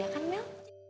ya kan mel